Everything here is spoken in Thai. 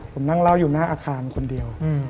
ผมนั่งเล่าอยู่หน้าอาคารคนเดียว